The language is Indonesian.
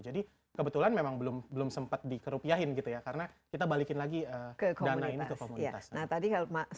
jadi kebetulan memang belum sempat dikerupiahin gitu ya karena kita balikin lagi dana ini ke komunitas